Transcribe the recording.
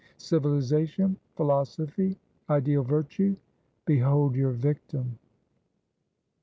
Civilization, Philosophy, Ideal Virtue! behold your victim!